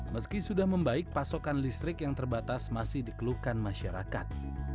meski sudah membaik pasokan listrik yang terbatas masih dikeluhkan masyarakat